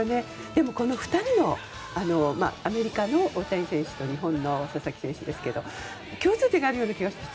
でも、この２人にはアメリカの大谷選手と日本の佐々木選手ですけども共通点があるような気がして。